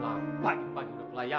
lampak ini banyak udah pulang ya